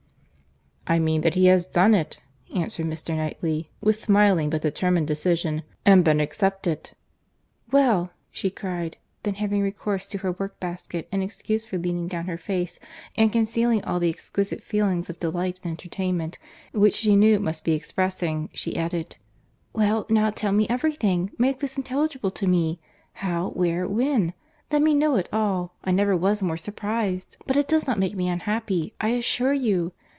"I mean that he has done it," answered Mr. Knightley, with smiling but determined decision, "and been accepted." "Good God!" she cried.—"Well!"—Then having recourse to her workbasket, in excuse for leaning down her face, and concealing all the exquisite feelings of delight and entertainment which she knew she must be expressing, she added, "Well, now tell me every thing; make this intelligible to me. How, where, when?—Let me know it all. I never was more surprized—but it does not make me unhappy, I assure you.